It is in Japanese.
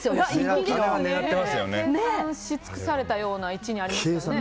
計算し尽くされたような位置にありましたよね。